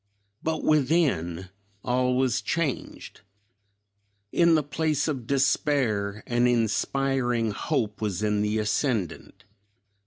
But, within, all was changed. In the place of despair an inspiring hope was in the ascendant.